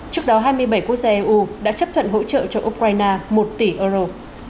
trước đó hai mươi bảy quốc gia eu đã chấp thuận hỗ trợ cho ukraine một tỷ euro